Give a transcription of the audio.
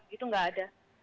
itu tidak ada